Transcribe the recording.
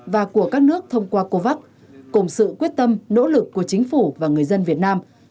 và của các nước thông qua covax cùng sự quyết tâm nỗ lực của chính phủ và người dân việt nam